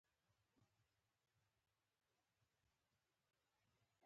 د Back pocket عواید ښکته عاید لرونکو ته ګټه رسوي